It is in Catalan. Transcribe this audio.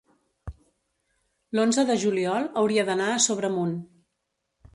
l'onze de juliol hauria d'anar a Sobremunt.